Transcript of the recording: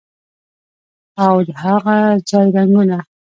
او د هاغه ځای رنګونه